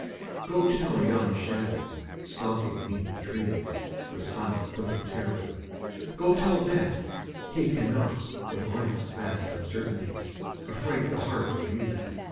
Go tell yon shadow stalking 'neath the trees With silent footed terror, go tell Death He cannot with Life's vast uncertainties Affright the heart of Youth